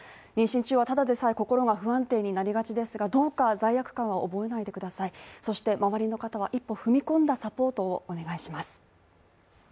妊娠中はただでさえ心が不安定になりがちですがどうか罪悪感を覚えないでくださいそして周りの方は一歩踏み込んだサポートをお願いします。